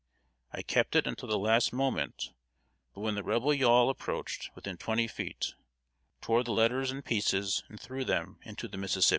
I kept it until the last moment, but when the Rebel yawl approached within twenty feet, tore the letters in pieces and threw them into the Mississippi.